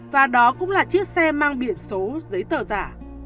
và đó cũng là chiếc xe mang biển số giấy tờ giả